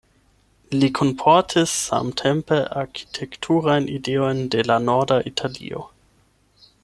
Li kunportis samtempe arkitekturajn ideojn de la norda Italio.